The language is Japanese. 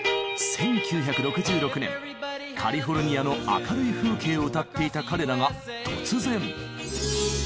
１９６６年カリフォルニアの明るい風景を歌っていた彼らが突然。